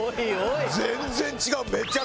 全然違う。